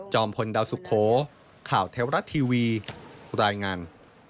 พลดาวสุโขข่าวเทวรัฐทีวีรายงาน